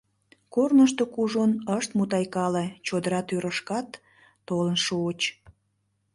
Корнышто кужун ышт мутайкале, чодыра тӱрышкат толын шуыч.